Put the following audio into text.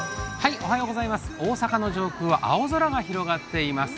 大阪の上空は青空が広がっています。